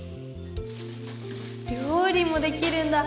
料理もできるんだ。